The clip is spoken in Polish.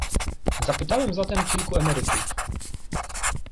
Zapytałem zatem kilku emerytów